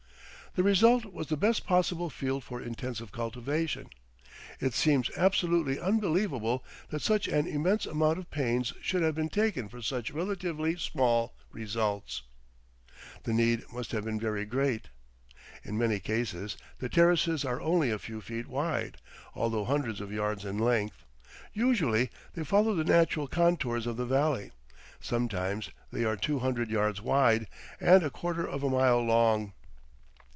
The result was the best possible field for intensive cultivation. It seems absolutely unbelievable that such an immense amount of pains should have been taken for such relatively small results. The need must have been very great. In many cases the terraces are only a few feet wide, although hundreds of yards in length. Usually they follow the natural contours of the valley. Sometimes they are two hundred yards wide and a quarter of a mile long.